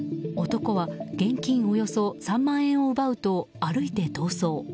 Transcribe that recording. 男は現金およそ３万円を奪うと歩いて逃走。